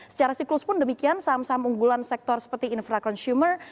secara siklus pun demikian saham saham unggulan sektor seperti infra consumer